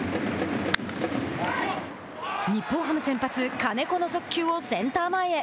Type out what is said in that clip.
日本ハム先発、金子の速球をセンター前へ。